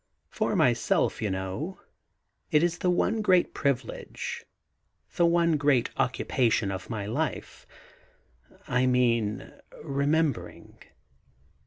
For myself, you know, it is the one great privilege, the one great occupation of my life — I mean remembering.